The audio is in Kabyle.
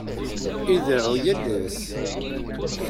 Ideɛɛu yal ass.